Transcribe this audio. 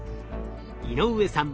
井上さん